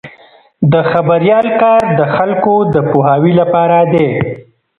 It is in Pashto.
د خبریال کار د خلکو د پوهاوي لپاره دی.